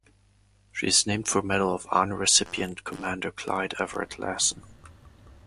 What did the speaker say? She is named for Medal of Honor recipient Commander Clyde Everett Lassen.